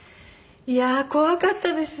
いやー怖かったです。